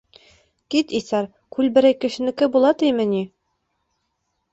— Кит, иҫәр, күл берәй кешенеке була тиме ни?!